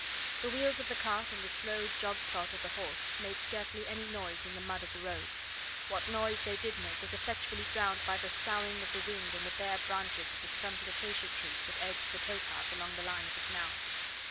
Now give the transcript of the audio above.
The wheels of the cart and the slow jog trot of the horse made scarcely any noise in the mud of the roads, what noise they did make was effectually drowned by the soughing of the wind in the bare branches of the stunted acacia trees that edged the towpath along the line of the canal.